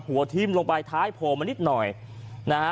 หัวทิ้มลงไปท้ายโผล่มานิดหน่อยนะฮะ